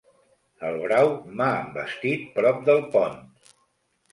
El brau m'ha envestit prop del pont.